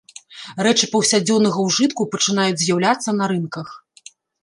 Рэчы паўсядзённага ўжытку пачынаюць з'яўляцца на рынках.